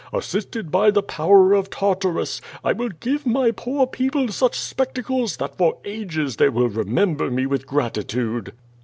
Assisted by the power of Tartarus, I will give my poor people sucli spectacles that for ages they will remember me with grati tude."